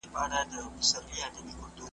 نيمه شپه يې د كور مخي ته غوغا سوه ,